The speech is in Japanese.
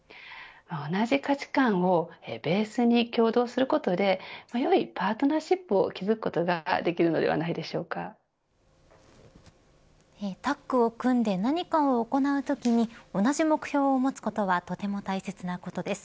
同じ価値観をベースに協業することでよいパートナーシップを築くことができるのではタッグを組んで何かを行うときに同じ目標を持つことはとても大切なことです。